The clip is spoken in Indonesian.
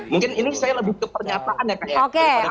mungkin ini saya lebih ke pernyataan ya kak